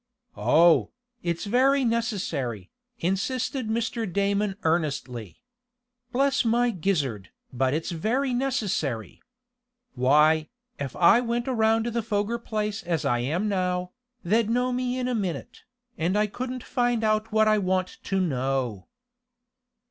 "Oh, it's very necessary," insisted Mr. Damon earnestly. "Bless my gizzard! but it's very necessary. Why, if I went around the Foger place as I am now, they'd know me in a minute, and I couldn't find out what I want to know."